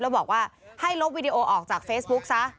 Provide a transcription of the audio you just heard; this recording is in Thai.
แล้วบอกว่าให้ลบวิดีโอออกจากเฟซบุ๊กซะ